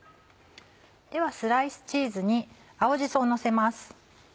ではスライスチーズに青じそをのせます。